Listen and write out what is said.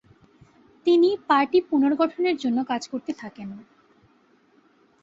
তিনি পার্টি পুনর্গঠনের জন্য কাজ করতে থাকেন।